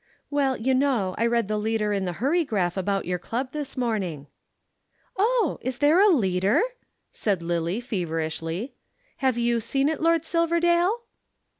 "Well, you know, I read the leader in the Hurrygraph about your Club this morning." "Oh, is there a leader?" said Lillie feverishly. "Have you seen it, Lord Silverdale?"